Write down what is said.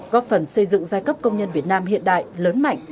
góp phần xây dựng giai cấp công nhân việt nam hiện đại lớn mạnh